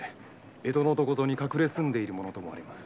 江戸のどこかに隠れ住んでいると思われます。